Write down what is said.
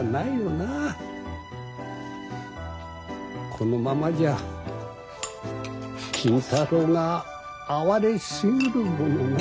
このままじゃ金太郎が哀れすぎるものなあ。